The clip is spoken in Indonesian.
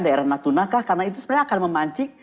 daerah natunakah karena itu sebenarnya akan memancing